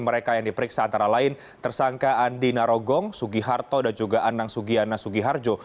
mereka yang diperiksa antara lain tersangka andi narogong sugiharto dan juga anang sugiana sugiharjo